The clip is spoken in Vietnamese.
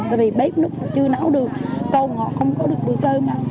tại vì bếp lúc họ chưa nấu được cầu họ không có được bữa cơm